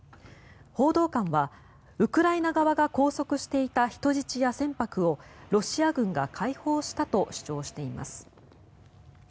報道官はウクライナ側が拘束していた人質や船舶をロシア軍が解放したと主張しています。